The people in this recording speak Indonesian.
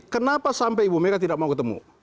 kenapa sampai ibu mega tidak mau ketemu pak sby